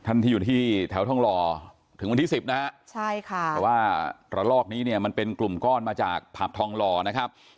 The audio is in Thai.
ท่านที่อยู่ที่แถวทองหล่อถึงวันที่๑๐นะคะแต่ว่าตระลอกนี้มันเป็นกลุ่มก้อนมาจากผับทองหล่อนะครับ